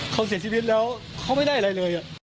เขาเสียชีวิตแล้วเขาไม่ได้อะไรเลย